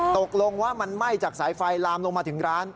ตกลงว่ามันไหม้จากสายไฟลามลงมาถึงร้าน